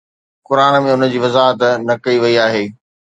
قرآن ۾ ان جي وضاحت نه ڪئي وئي آهي